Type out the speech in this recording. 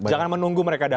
jangan menunggu mereka datang